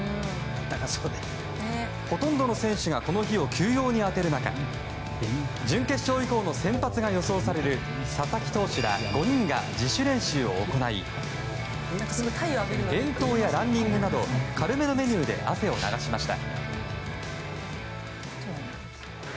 ほとんどの選手がこの日を休養に充てる中準決勝以降の先発が予想される佐々木投手ら５人が自主練習を行い遠投やランニングなど軽めのメニューで汗を流しました。